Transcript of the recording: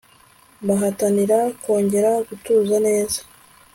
bahatanira kongera gutuza neza